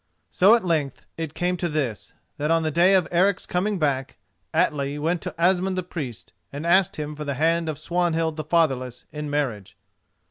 So at length it came to this, that on the day of Eric's coming back, Atli went to Asmund the Priest, and asked him for the hand of Swanhild the Fatherless in marriage.